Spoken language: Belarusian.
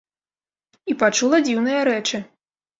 І пачула дзіўныя рэчы.